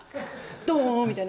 ドーンみたいな。